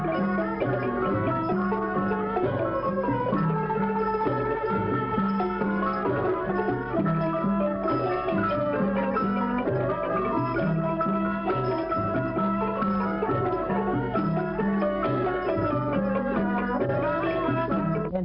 มันมันมันมัน